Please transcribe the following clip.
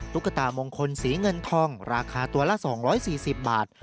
ตามงคลสีเงินทองราคาตัวละ๒๔๐บาท